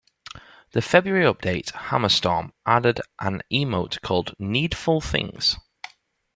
The "' February update, "Hammer Storm", added an emote called "Knee-dful Things.